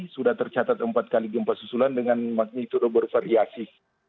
sudah tercatat empat kali gempas susulan dengan magnitude bervariasi